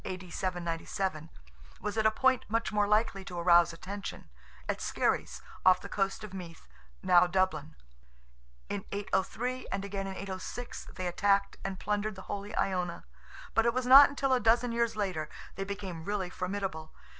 D. 797) was at a point much more likely to arouse attention—at Skerries, off the coast of Meath (now Dublin); in 803, and again in 806, they attacked and plundered the holy Iona; but it was not until a dozen years later they became really formidable.